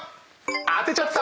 当てちゃった！